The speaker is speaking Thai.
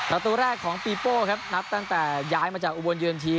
ประตูแรกของปีโป้ครับนับตั้งแต่ย้ายมาจากอุบลเยือนที